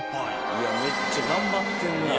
いやめっちゃ頑張ってんな。